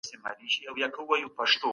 کله بشري حقونه تر پښو لاندي کیږي؟